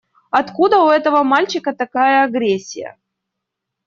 Откуда у этого мальчика такая агрессия?